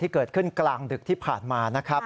เกิดขึ้นกลางดึกที่ผ่านมานะครับ